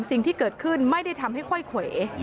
สิ่งที่เกิดขึ้นไม่ได้ทำให้ค่อยเขว